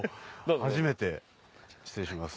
初めて失礼します。